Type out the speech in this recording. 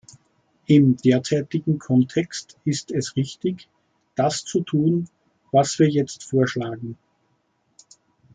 Im derzeitigen Kontext ist es richtig, das zu tun, was wir jetzt vorschlagen.